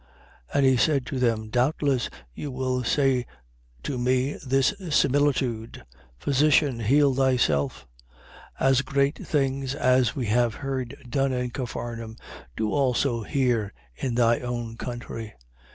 And he said to them: Doubtless you will say to me this similitude: Physician, heal thyself. As great things as we have heard done in Capharnaum, do also here in thy own country. 4:24.